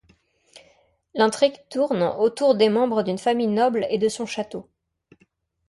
L'intrigue tourne autour des membres d'une famille noble et de son château.